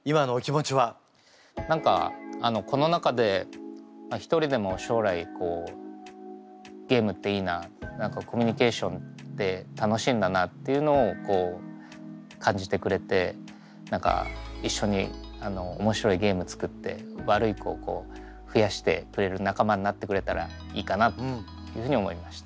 何かこの中で一人でも将来ゲームっていいなコミュニケーションって楽しいんだなっていうのを感じてくれて一緒に面白いゲーム作って悪い子を増やしてくれる仲間になってくれたらいいかなというふうに思いました。